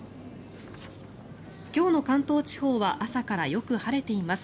今日の関東地方は朝からよく晴れています。